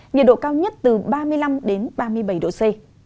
nhiệt độ cao nhất từ ba mươi năm đến ba mươi bảy độ c